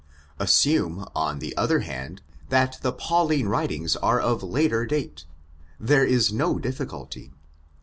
Assume, on the other hand, that the Pauline writings are of later date, there is no difficulty.